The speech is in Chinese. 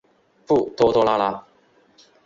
不拖拖拉拉。